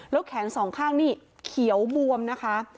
แล้วแขนสองข้างนี่เขียวบวมนะคะ